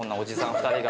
２人が。